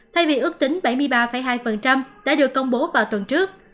thay vì ước tính bảy mươi ba hai đã được công bố vào tuần trước